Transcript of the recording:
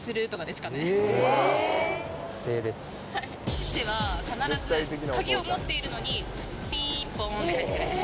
父は必ず鍵を持っているのにピンポンって帰ってくる。